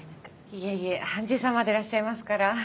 いえいえ判事様でいらっしゃいますから。